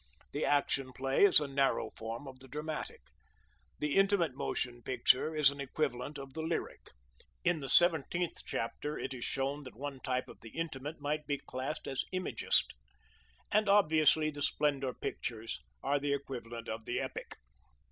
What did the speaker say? The Action Play is a narrow form of the dramatic. The Intimate Motion Picture is an equivalent of the lyric. In the seventeenth chapter it is shown that one type of the Intimate might be classed as imagist. And obviously the Splendor Pictures are the equivalent of the epic.